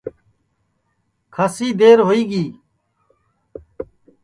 کھاسی دیر ہوئی گی